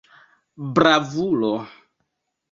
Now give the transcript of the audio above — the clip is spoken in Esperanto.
Bravulo!